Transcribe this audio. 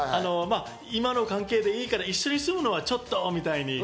今の関係でいいから一緒に住むのはちょっとみたいに。